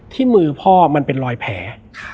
ที่มือพ่อมันเป็นรอยแผล